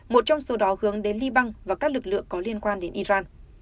một trong số đó hướng đến liban và các lực lượng có liên quan đến iran